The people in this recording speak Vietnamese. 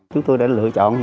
chúng tôi đã lựa chọn những hội